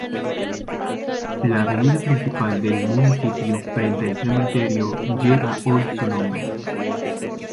La avenida principal del municipio frente al cementerio lleva hoy su nombre.